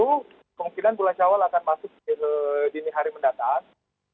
kemungkinan bulan syawal akan masuk ke dini hari mendatang